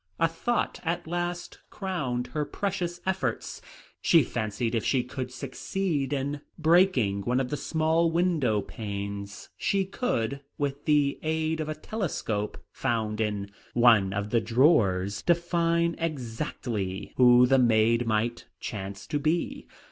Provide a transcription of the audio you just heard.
A thought at last crowned her precious efforts. She fancied if she could succeed in breaking one of the small window panes she could, with the aid of a telescope found in one of the drawers, define exactly who the maid might chance to be.